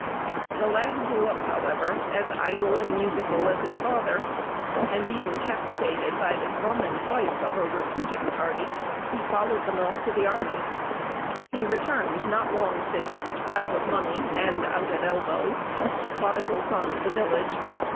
The lad grew up, however, as idle and musical as his father; and, being captivated by the drum and fife of a recruiting party, he followed them off to the army. He returned not long since, out of money, and out at elbows, the prodigal son of the village.